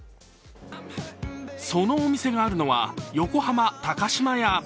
そのお店があるのは横浜高島屋。